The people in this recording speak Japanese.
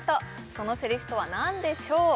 そのセリフとは何でしょう？